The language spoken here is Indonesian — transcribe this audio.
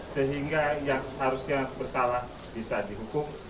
sehingga yang harusnya bersalah bisa dihukum